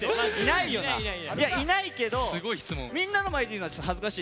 いやいないけどみんなの前で言うのはちょっと恥ずかしい。